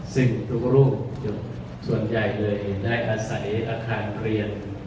ซึ่งทุกรูปส่วนใหญ่เลยได้อาศัยอาคารเรียน